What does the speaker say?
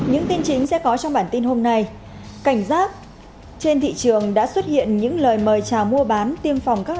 hãy đăng ký kênh để ủng hộ kênh của chúng mình nhé